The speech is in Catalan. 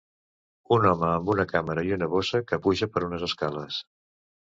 Un home amb una càmera i una bossa que puja per unes escales.